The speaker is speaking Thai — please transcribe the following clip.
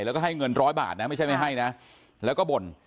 แล้วก็ให้เงินร้อยบาทนะไม่ใช่ไม่ให้นะแล้วก็บ่น